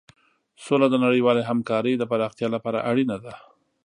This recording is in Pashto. سوله د نړیوالې همکارۍ د پراختیا لپاره اړینه ده.